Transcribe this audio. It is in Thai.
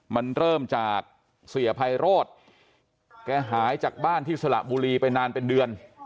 มันเริ่มจากเสียไพโรธแกหายจากบ้านที่สระบุรีไปนานเป็นเดือน